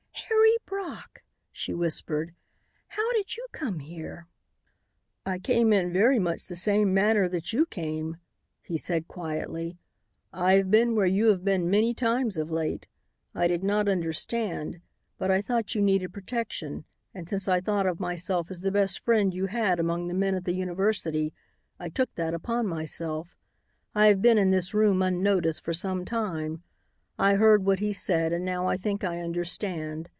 "Harry Brock!" she whispered. "How did you come here?" "I came in very much the same manner that you came," he said quietly. "I have been where you have been many times of late. I did not understand, but I thought you needed protection and since I thought of myself as the best friend you had among the men at the university, I took that task upon myself. I have been in this room, unnoticed, for some time. I heard what he said and now I think I understand.